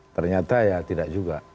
ternyata ya tidak juga